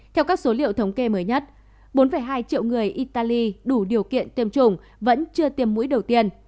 theo các số liệu thống kê mới nhất bốn hai triệu người italy đủ điều kiện tiêm chủng vẫn chưa tiêm mũi đầu tiên